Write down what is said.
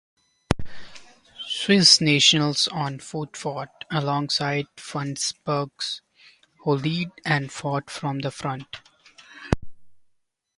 Swiss nationals on foot fought alongside Frundsberg, who led and fought from the front.